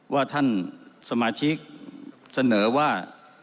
ว่าท่านสมาชิกเสนอว่า